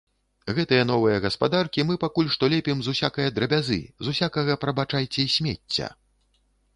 Гэтыя новыя гаспадаркі мы пакуль што лепім з усякае драбязы, з усякага, прабачайце, смецця.